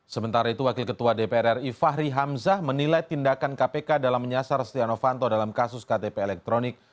sementara itu wakil ketua dpr ri fahri hamzah menilai tindakan kpk dalam menyasar setia novanto dalam kasus ktp elektronik